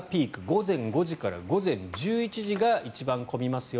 午前５時から午前１１時が一番混みますよ。